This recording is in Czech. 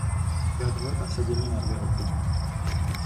Jeho tvorba se dělí na dvě období.